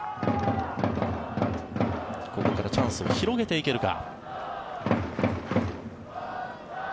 ここからチャンスを広げていけるか。